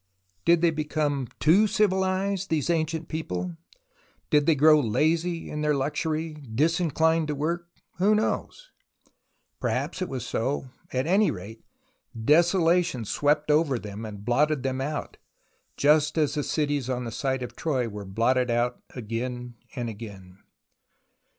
Did they become too civilized, these ancient people ? Did they grow lazy in their luxury, dis inclined to work ? Who knows ! Perhaps it was so. At any rate, desolation swept over them and blotted them out, just as the cities on the site of Troy were blotted out again and again.